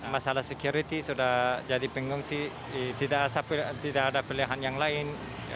masalah security sudah jadi pengungsi tidak ada pilihan yang lain